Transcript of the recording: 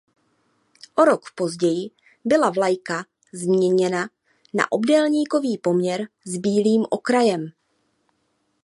O rok později byla vlajka změněna na obdélníkový poměr s bílým okrajem.